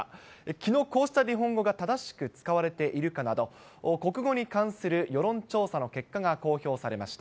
きのう、こうした日本語が正しく使われているかなど、国語に関する世論調査の結果が公表されました。